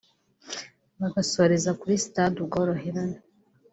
bagasoreza kuri Stade Ubworoherane